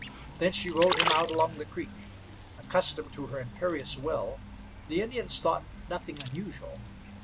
Then she rode him out along the creek. Accustomed to her imperious will, the Indians thought nothing unusual.